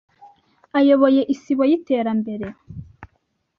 ayoboye Isibo y’Iterambere,